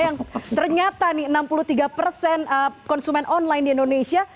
yang ternyata nih enam puluh tiga persen konsumen online di indonesia